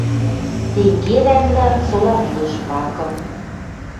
Тенгелӓнлӓ сола вуйыш пакы